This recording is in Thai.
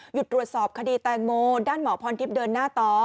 ตรวจสอบคดีแตงโมด้านหมอพรทิพย์เดินหน้าต่อ